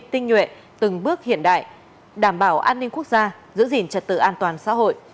tinh nhuệ từng bước hiện đại đảm bảo an ninh quốc gia giữ gìn trật tự an toàn xã hội